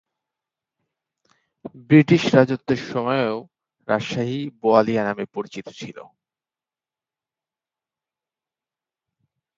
British রাজত্বের সময়েও রাজশাহী "বোয়ালিয়া" নামে পরিচিত ছিল।